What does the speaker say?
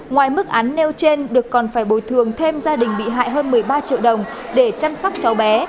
ngoài mức án nêu trên được còn phải bồi thường thêm gia đình bị hại hơn một mươi ba triệu đồng để chăm sóc cháu bé